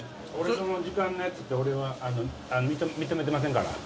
その時間のやつって俺は認めてませんから。